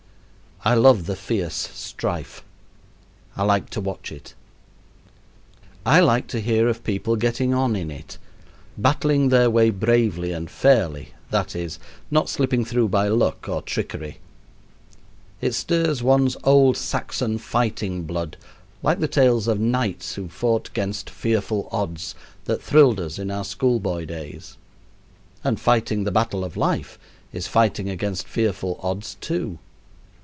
I love the fierce strife. I like to watch it. I like to hear of people getting on in it battling their way bravely and fairly that is, not slipping through by luck or trickery. It stirs one's old Saxon fighting blood like the tales of "knights who fought 'gainst fearful odds" that thrilled us in our school boy days. And fighting the battle of life is fighting against fearful odds, too.